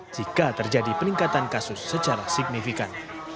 jika terjadi peningkatan kasus secara signifikan